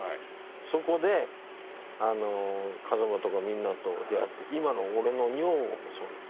そこであの風間とかみんなと出会って今の俺の女房もそうなの。